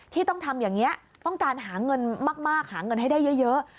ที่ต้องทำอย่างนี้ต้องการหาเงินมากหาเงินให้ได้เยอะ